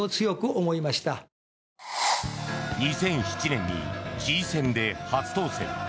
２００７年に知事選で初当選。